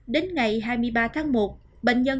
đến ngày hai mươi ba tháng một bệnh nhân